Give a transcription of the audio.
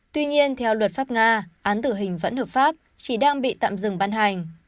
tuy nhiên theo luật pháp nga án tử hình vẫn hợp pháp chỉ đang bị tạm dừng ban hành